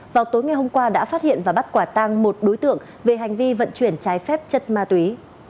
vào tối ngày hôm qua đã phát hiện và bắt quả tăng một đối tượng về hành vi vận chuyển trái phép chất ma túy